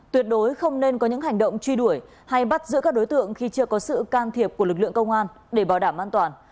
tuyệt đối không nên có những hành động truy đuổi hay bắt giữ các đối tượng khi chưa có sự can thiệp của lực lượng công an để bảo đảm an toàn